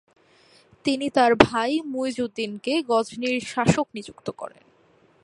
তিনি তার ভাই মুইজউদ্দিনকে গজনির শাসক নিযুক্ত করেন।